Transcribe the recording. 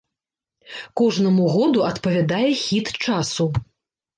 Кожнаму году адпавядае хіт часу.